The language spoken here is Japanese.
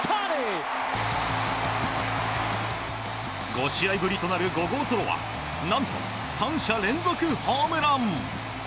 ５試合ぶりとなる５号ソロはなんと３者連続ホームラン！